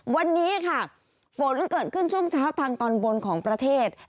วันนี้ค่ะฝนเกิดขึ้นช่วงเช้าทางตอนบนของประเทศ